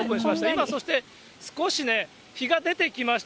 今そして、少しね、日が出てきました。